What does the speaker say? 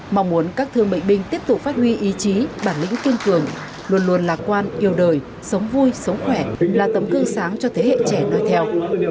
mong muốn các thương bệnh binh tiếp tục phát huy ý chí bản lĩnh kiên cường luôn luôn lạc quan yêu đời sống vui sống khỏe là tấm cương sáng cho thế hệ trẻ đôi theo